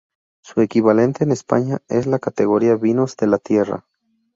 Su equivalente en España es la categoría vinos de la tierra.